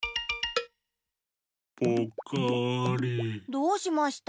どうしました？